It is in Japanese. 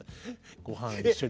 「ごはん一緒に」。